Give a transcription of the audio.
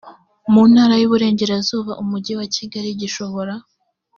mu ntara y iburengerazuba umujyi wa kigali gishobora